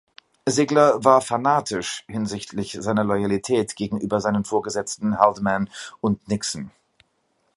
Ziegler war fanatisch hinsichtlich seiner Loyalität gegenüber seinen Vorgesetzten Haldeman und Nixon.